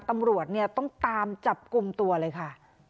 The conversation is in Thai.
ตำรวจเนี่ยต้องตามจับกลุ่มตัวเลยค่ะ